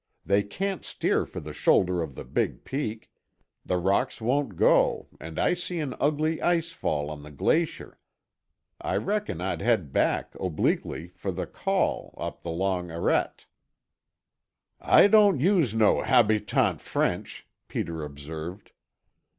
They can't steer for the shoulder of the big peak; the rocks won't go and I see an ugly ice fall on the glacier. I reckon I'd head back, obliquely, for the col, up the long arrête." "I don't use no habitant French," Peter observed.